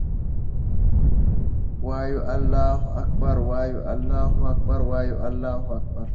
وایو الله اکــبر، وایو الله اکـــبر، وایـــــو الله اکــــــــبر